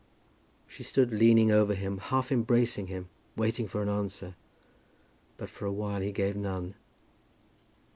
She stood leaning over him, half embracing him, waiting for an answer; but for a while he gave none.